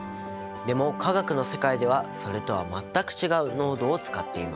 でも化学の世界ではそれとは全く違う濃度を使っています。